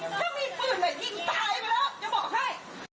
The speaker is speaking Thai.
ถ้ามีฟื้นให้กินตายไปแล้วจะบอกให้